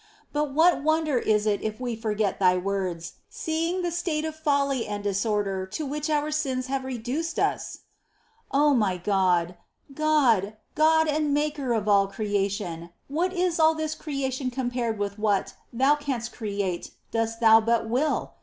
But what wonder is it if we forget Thy words, seeing the state of folly and disorder to which our sins have reduced us ? 2. O my God ! God ! God and Maker of all Creation ! What is all this creation compared with what Thou canst create, dost Thou but will